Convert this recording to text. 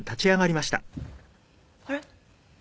あれ？